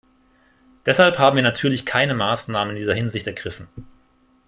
Deshalb haben wir natürlich keine Maßnahmen in dieser Hinsicht ergriffen.